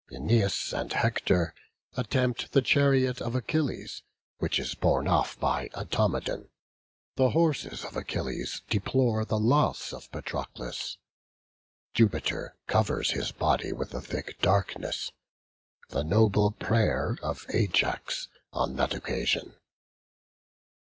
Æneas and Hector attempt the chariot of Achilles, which is borne off by Automedon. The horses of Achilles deplore the loss of Patroclus; Jupiter covers his body with a thick darkness; the noble prayer of Ajax on that occasion.